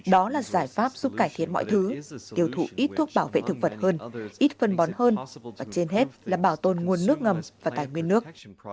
đó là giải pháp giúp cải thiện mọi thứ tiêu thụ ít thuốc bảo vệ thực vật hơn ít phân bón hơn và trên hết là bảo tồn nguồn nước ngầm và tài nguyên nước